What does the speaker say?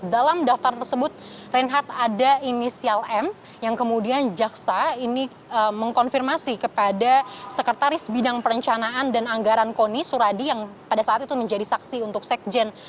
dalam daftar tersebut reinhardt ada inisial m yang kemudian jaksa ini mengkonfirmasi kepada sekretaris bidang perencanaan dan anggaran koni suradi yang pada saat itu menjadi saksi untuk sekjen